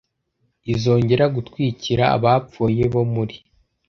izongera gutwikira abapfuye bo muri